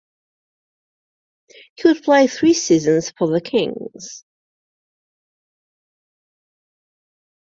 He would play three seasons for the Kings.